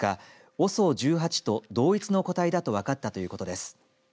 ＯＳＯ１８と同一の個体だと分かったということです。